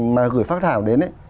mà gửi phác thảo đến